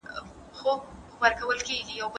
څوک د اولاد د نسب ثبوت غوښتلای سي؟